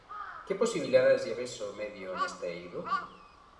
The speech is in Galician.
Que posibilidades lle ves ao medio neste eido?